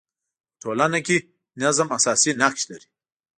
په ټولنه کي نظم اساسي نقش لري.